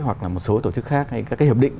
hoặc là một số tổ chức khác hay các cái hiệp định